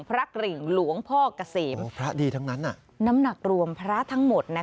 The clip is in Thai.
พระกลิ่งหลวงพ่อกเสีย์น้ำหนักรวมพระทั้งหมด